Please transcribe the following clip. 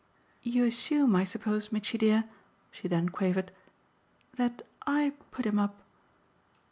"You assume, I suppose, Mitchy dear," she then quavered "that I put him up